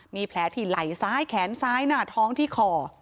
มีแผลที่ไหล่ซ้ายแขนซ้ายหน้าท้องที่คอ